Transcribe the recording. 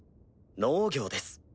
農業です。